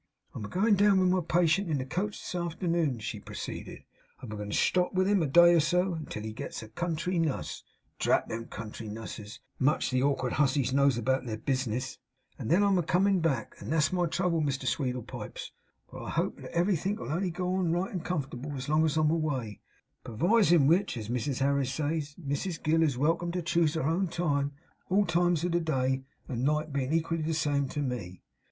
'I'm a goin down with my patient in the coach this arternoon,' she proceeded. 'I'm a goin to stop with him a day or so, till he gets a country nuss (drat them country nusses, much the orkard hussies knows about their bis'ness); and then I'm a comin back; and that's my trouble, Mr Sweedlepipes. But I hope that everythink'll only go on right and comfortable as long as I'm away; perwisin which, as Mrs Harris says, Mrs Gill is welcome to choose her own time; all times of the day and night bein' equally the same to me.